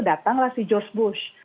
datanglah si george bush